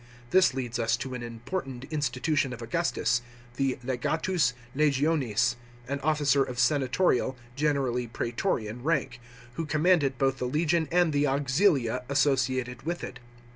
This leads us to an important institution of Augustus, the legatus legionis, an officer of senatorial, generally prastorian, rank, who commanded both the legion and the auxilia associated with it.